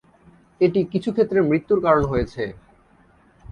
এটি কিছু ক্ষেত্রে মৃত্যুর কারণ হয়েছে।